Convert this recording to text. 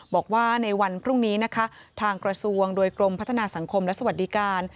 บอกว่าในวันพรุ่งนี้นะคะทางกระทรวงโดยกรมพัฒนาสังคมและสวัสดิการ